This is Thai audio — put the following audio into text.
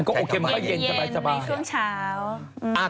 ก็โอเคมันเย็นไม่สุดเช้า